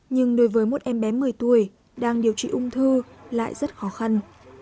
nhưng đối với một em bé một mươi tuổi đang điều trị ung thư lại rất khó khăn